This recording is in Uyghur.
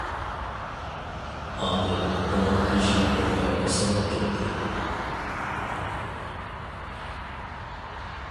ئاندىن ئۇنىڭ ئىشى بەكلا ئاسانلاپ كەتتى.